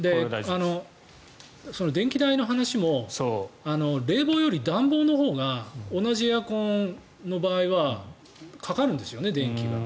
電気代の話も冷房より暖房のほうが同じエアコンの場合はかかるんですよね、電気が。